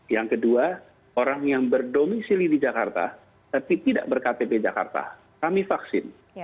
yang kedua orang yang berdomisili di jakarta tapi tidak berktp jakarta kami vaksin